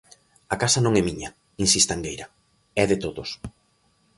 "A casa non é miña", insiste Angueira, "é de todos".